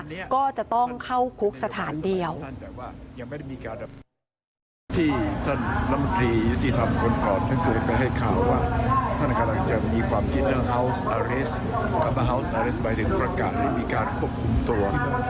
ก็จะต้องเข้าคุกสถานเดียว